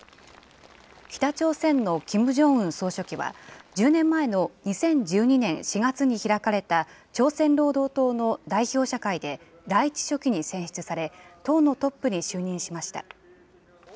北朝鮮のキム・ジョンウン総書記は、１０年前の２０１２年４月に開かれた、朝鮮労働党の代表者会で第１書記に選出され、党のトップに就任しました。